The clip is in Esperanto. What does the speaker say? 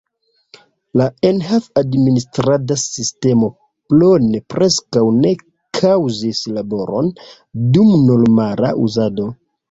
La enhav-administrada sistemo Plone preskaŭ ne kaŭzis laboron dum normala uzado.